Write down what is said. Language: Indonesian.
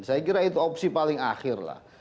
saya kira itu opsi paling akhir lah